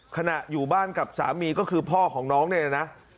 อยู่บ้านกับสามีก็คือพ่อของน้องเนี่ยนะ